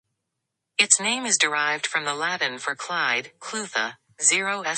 Its name is derived from the Latin for Clyde, Clutha.